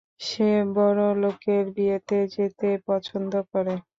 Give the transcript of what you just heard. সে বড়লোকের বিয়েতে যেতে পছন্দ করে।